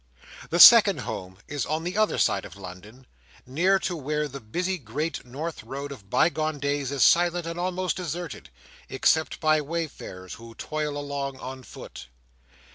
The second home is on the other side of London, near to where the busy great north road of bygone days is silent and almost deserted, except by wayfarers who toil along on foot.